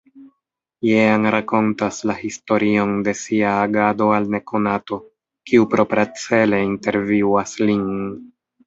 Jean rakontas la historion de sia agado al nekonato, kiu propracele intervjuas lin.